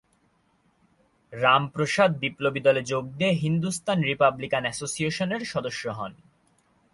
রামপ্রসাদ বিপ্লবী দলে যোগ দিয়ে হিন্দুস্তান রিপাবলিকান এসোসিয়েশনের সদস্য হন।